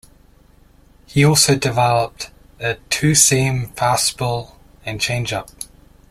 He also developed a two-seam fastball and changeup.